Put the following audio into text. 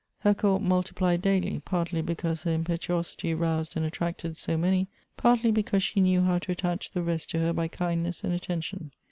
Her court multi plied daily, partly because her impetuosity roused and attracted so many, partly because she knew how to attach the rest to her by kindness and attention.